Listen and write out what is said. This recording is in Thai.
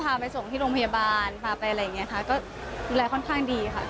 พาไปส่งที่โรงพยาบาลพาไปอะไรอย่างนี้ค่ะก็ดูแลค่อนข้างดีค่ะ